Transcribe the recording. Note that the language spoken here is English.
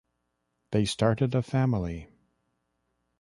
They started a family.